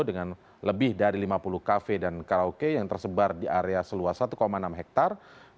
dengan lebih dari lima puluh kafe dan karaoke yang tersebar di area seluas satu enam hektare